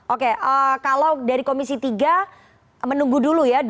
oke kalau dari komisi tiga menunggu dulu ya